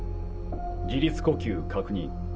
自立呼吸確認。